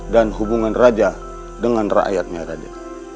dan hubungan raja dengan rakyatnya raja